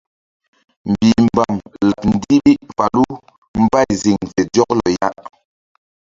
Mbihmbam laɓ ndiɓi falu mbay ziŋ fe zɔklɔ ya.